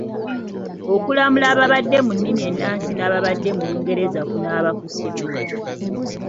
Okulamula ababadde mu nnimi ennansi n’ababadde mu Lungereza kunaaba kutya?